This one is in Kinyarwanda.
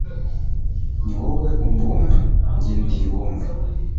Ni wowe umbumba, Jye nd’ ibumba,